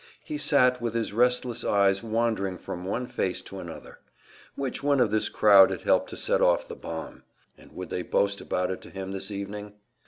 He sat, with his restless eyes wandering from one face to another. Which one of this crowd had helped to set off the bomb? And would they boast about it to him this evening?